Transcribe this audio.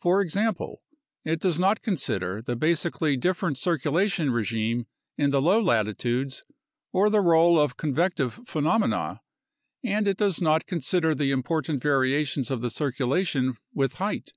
For example, it does not consider the basically different circulation regime in the low latitudes or the role of convective phenomena, and it does not consider the important variations of the circulation with height.